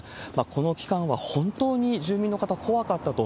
この期間は本当に住民の方、怖かったと。